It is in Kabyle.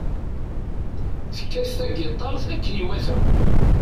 Tekkat tagitaṛt akken iwata.